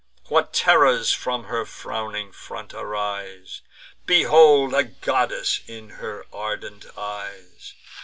What terrors from her frowning front arise! Behold a goddess in her ardent eyes!